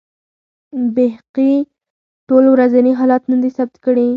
بیهقي ټول ورځني حالات نه دي ثبت کړي.